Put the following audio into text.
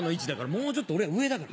もうちょっと俺ら上だから。